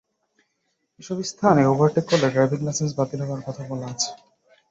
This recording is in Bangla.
এসব স্থানে ওভারটেক করলে ড্রাইভিং লাইসেন্স বাতিল করার কথা বলা আছে।